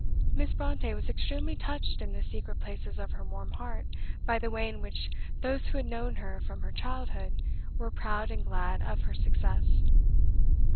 Miss Brontë was extremely touched in the secret places of her warm heart by the way in which those who had known her from her childhood were proud and glad of her success.